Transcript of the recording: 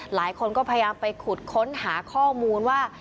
หลายคนก็พยายามไปขุดค้นหาข้อมูลว่า